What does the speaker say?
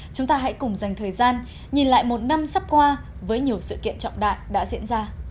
chúng ta hãy cùng dành thời gian nhìn lại một năm sắp qua với nhiều sự kiện trọng đại đã diễn ra